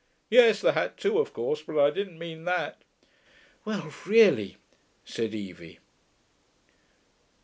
Yes, the hat too, of course, but I didn't mean that.' 'Well, really!' said Evie.